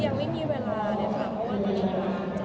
ยังไม่มีเวลาเดี๋ยวถามว่าตอนนี้จะมา